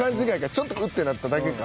ちょっと「ウッ」ってなっただけか。